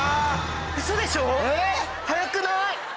ウソでしょう早くない？